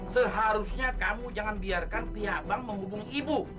seharusnya kamu jangan biarkan pihak bank menghubungi ibu